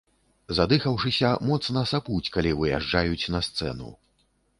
Задыхаўшыся, моцна сапуць, калі выязджаюць на сцэну.